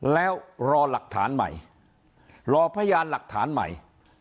แล้วรอหลักฐานใหม่รอพยานหลักฐานใหม่